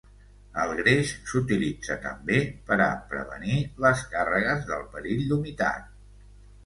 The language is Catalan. El greix s'utilitza també per a prevenir les càrregues del perill d'humitat.